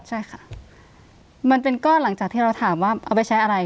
ใช่ค่ะมันเป็นก้อนหลังจากที่เราถามว่าเอาไปใช้อะไร